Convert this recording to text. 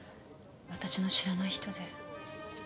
私の知らない人で。